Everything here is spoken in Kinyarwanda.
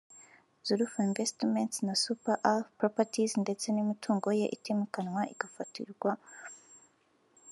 Zulaf Investments na Super Earth Properties ndetse n’imitungo ye itimukanwa igafatirwa